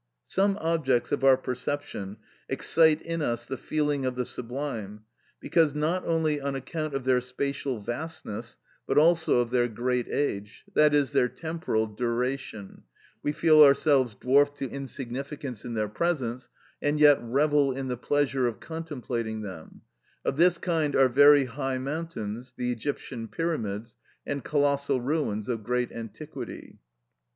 Some objects of our perception excite in us the feeling of the sublime because, not only on account of their spatial vastness, but also of their great age, that is, their temporal duration, we feel ourselves dwarfed to insignificance in their presence, and yet revel in the pleasure of contemplating them: of this kind are very high mountains, the Egyptian pyramids, and colossal ruins of great antiquity.